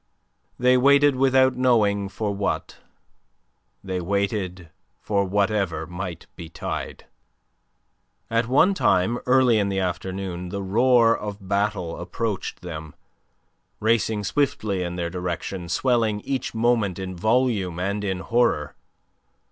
They waited without knowing for what. They waited for whatever might betide. At one time early in the afternoon the roar of battle approached them, racing swiftly in their direction, swelling each moment in volume and in horror.